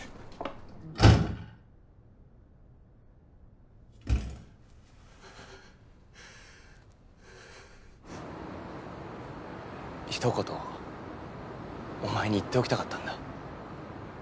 はぁぁひとことお前に言っておきたかったんだ。